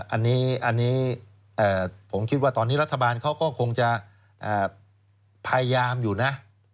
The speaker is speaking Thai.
อันนี้ผมคิดว่าตอนนี้รัฐบาลเขาก็คงจะพยายามอยู่นะ